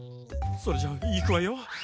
それじゃいくわよ。